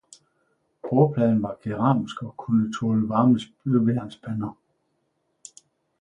Bordpladen var keramisk og kunne tåle varme støbejernspander.